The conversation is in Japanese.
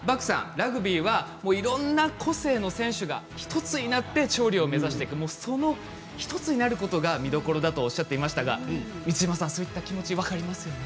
ラグビーはいろんな個性の選手が１つになって勝利を目指していく、１つになることが見どころだとおっしゃっていましたが満島さんもそういった気持ち分かりますよね？